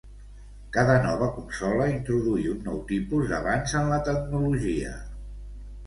Cada nova consola introduir un nou tipus d'avanç en la tecnologia.